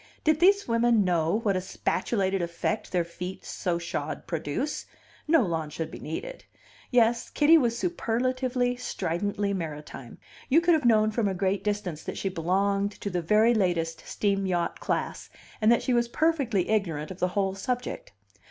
Did these women know what a spatulated effect their feet so shod produce, no law would be needed. Yes, Kitty was superlatively, stridently maritime; you could have known from a great distance that she belonged to the very latest steam yacht class, and that she was perfectly ignorant of the whole subject.